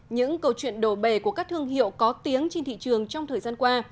những câu chuyện đổ bề của các thương hiệu có tiếng trên thị trường trong thời gian qua